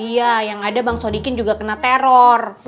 iya yang ada bang sodikin juga kena teror